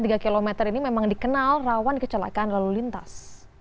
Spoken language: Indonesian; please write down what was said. tiga km ini memang dikenal rawan kecelakaan lalu lintas